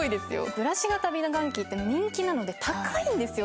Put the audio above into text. ブラシ型美顔器って人気なので高いんですよとにかく。